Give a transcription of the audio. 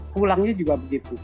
pulangnya juga berfetus